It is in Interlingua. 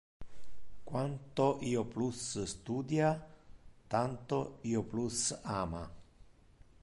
Quanto io plus studia, tanto io plus ama.